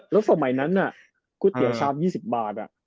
แล้วสมัยนั้นน่ะกุ๊ดเตี๋ยวชาวโมง๒๐บาทอ่ะ